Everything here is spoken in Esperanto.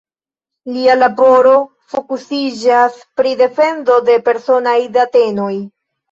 Lia laboro fokusiĝas pri defendo de la personaj datenoj.